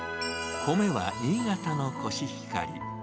米は新潟のコシヒカリ。